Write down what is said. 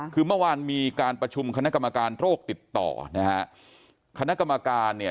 คือเมื่อวานมีการประชุมคณะกรรมการโรคติดต่อนะฮะคณะกรรมการเนี่ย